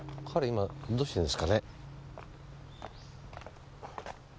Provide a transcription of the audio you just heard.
今どうしてんですかね？